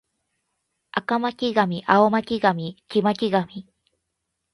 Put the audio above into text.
赤巻上青巻紙黄巻紙